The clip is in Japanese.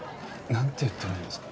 なんて言ってるんですか？